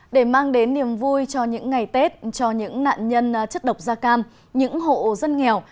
để mang đến niềm vui cho những ngày tết cho những nạn nhân chất độc da cam những hộ dân nghèo